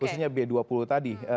khususnya b dua puluh tadi